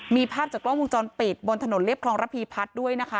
มีภาพจากกล้องวงจรปิดบนถนนเรียบคลองระพีพัฒน์ด้วยนะคะ